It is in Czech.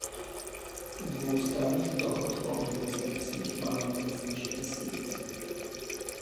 Dvoustranných dohod o investicích máme více než tisíc.